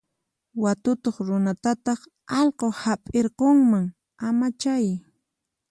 Watukuq runatataq allqu hap'irqunman, amachay.